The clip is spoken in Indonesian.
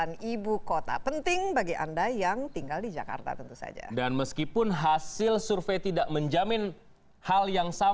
tiba tiba banjir sekarang sudah enggak lagi